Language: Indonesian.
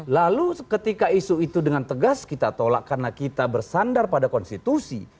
lalu ketika isu itu dengan tegas kita tolak karena kita bersandar pada konstitusi